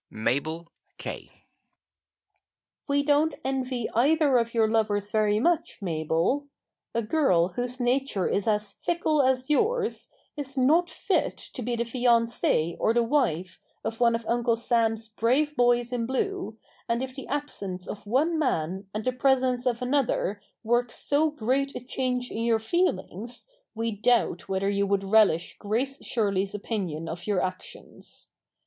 "Mabel K." We don't envy either of your lovers very much, Mabel. A girl whose nature is as fickle as yours is not fit to be the fiancee or the wife of one of Uncle Sam's brave boys in blue, and if the absence of one man and the presence of another works so great a change in your feelings we doubt whether you would relish Grace Shirley's opinion of your actions.